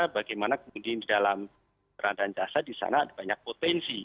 bagaimana kemudian di dalam peradaan jasa di sana ada banyak potensi